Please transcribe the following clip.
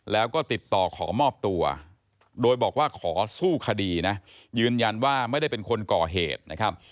แล้วก็ติดต่อขอมอบตัวโดยบอกว่าขอสู้คดีนะยืนยันว่าไม่ได้เป็นคนก่อเหตุนะครับ